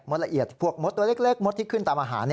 ละเอียดพวกมดตัวเล็กมดที่ขึ้นตามอาหาร